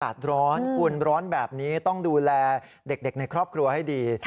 ร้อนคุณร้อนแบบนี้ต้องดูแลเด็กในครอบครัวให้ดี